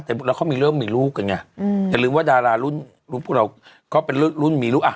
แต่พวกเราเขามีเรื่องมีลูกอย่างนี้อย่าลืมว่าดารารุ่นพวกเราเขาเป็นรุ่นมีลูก